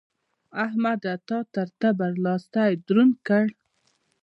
احمده! تا تر تبر؛ لاستی دروند کړ.